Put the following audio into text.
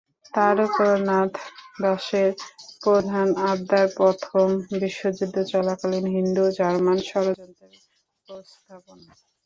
তারকনাথ দাসের প্রধান অবদান প্রথম বিশ্বযুদ্ধ চলাকালীন হিন্দু-জার্মান ষড়যন্ত্রের প্রস্থাপনা।